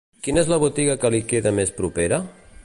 Quina és la botiga que li queda més propera?